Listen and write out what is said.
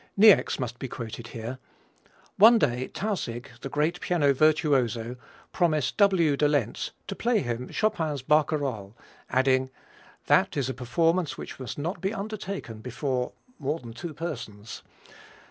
Niecks must be quoted here: "One day Tausig, the great piano virtuoso, promised W. de Lenz to play him Chopin's Barcarolle, adding, 'That is a performance which must not be undertaken before more than two persons.